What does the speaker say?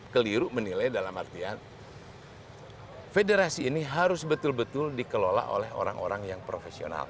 keliru menilai dalam artian federasi ini harus betul betul dikelola oleh orang orang yang profesional